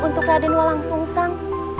untuk raden walangsungsang